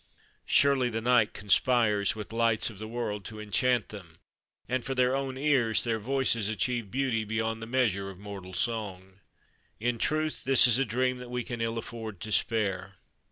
Surely the night con spires with lights of the world to enchant them, and for their own ears their voices achieve beauty beyond the measure of mortal song. In truth, this is a dream that we can ill afford to spare.